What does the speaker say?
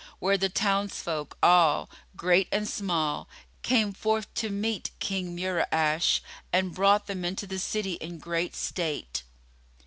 where the townsfolk all, great and small, came forth to meet King Mura'ash and brought them into the city in great state.